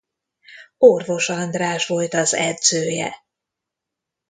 Orvos András volt az edzője.